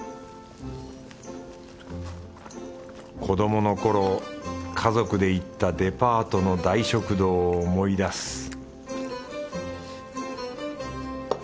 子どものころ家族で行ったデパートの大食堂を思い出す